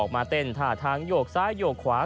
มาเต้นท่าทางโยกซ้ายโยกขวา